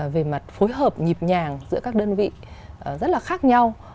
về mặt phối hợp nhịp nhàng giữa các đơn vị rất là khác nhau